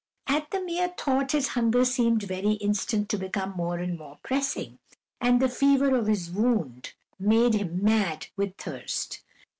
At the mere thought his hunger seemed every instant to become more and more pressing, and the fever of his wound made him mad with thirst.